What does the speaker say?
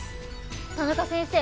田中先生